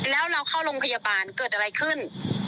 แล้วเราเข้าโรงพยาบาลเกิดอะไรขึ้น